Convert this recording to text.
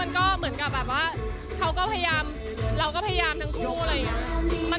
ยังเหมือนเดิมทุกอย่างค่ะ